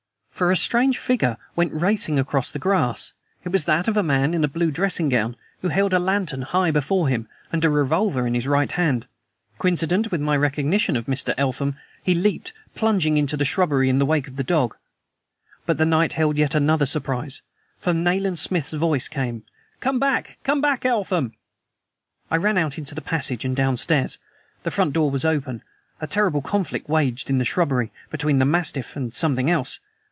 For a strange figure went racing across the grass. It was that of a man in a blue dressing gown, who held a lantern high before him, and a revolver in his right hand. Coincident with my recognition of Mr. Eltham he leaped, plunging into the shrubbery in the wake of the dog. But the night held yet another surprise; for Nayland Smith's voice came: "Come back! Come back, Eltham!" I ran out into the passage and downstairs. The front door was open. A terrible conflict waged in the shrubbery, between the mastiff and something else.